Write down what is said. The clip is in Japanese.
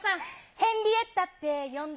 ヘンリエッタって呼んで？